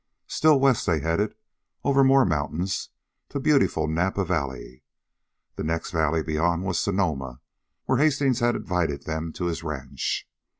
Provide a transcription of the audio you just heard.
Still west they headed, over more mountains, to beautiful Napa Valley. The next valley beyond was Sonoma, where Hastings had invited them to his ranch.